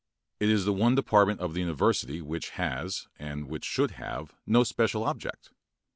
It is the one department of the university which has, and which should have, no special object.